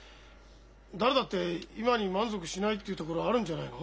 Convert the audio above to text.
誰だって今に満足しないっていうところあるんじゃないの？